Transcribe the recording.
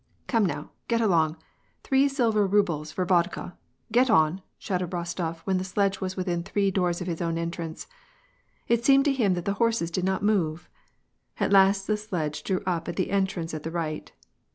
" Come now, get along, three silver rubles for vodka, get on !" shouted Kostof, when the sledge was within three doors of his own entrance. It seemed to him that the horses did not move. At last the sledge drew up at the entrance at the right.